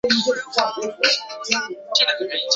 这是我十年来的研究成果